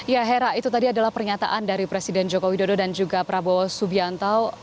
ya hera itu tadi adalah pernyataan dari presiden joko widodo dan juga prabowo subianto